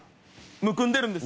むくんでるんです。